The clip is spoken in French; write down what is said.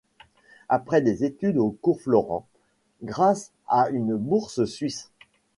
Après des études au Cours Florent, grâce à une bourse suisse.